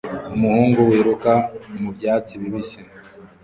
Umuhungu wiruka mu byatsi bibisi